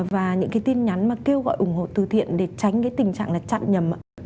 và những cái tin nhắn mà kêu gọi ủng hộ từ thiện để tránh cái tình trạng là chặn nhầm ạ